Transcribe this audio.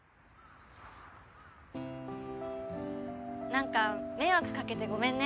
なんか迷惑かけてごめんね。